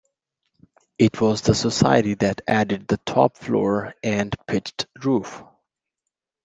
It was the Society that added the top floor and pitched roof.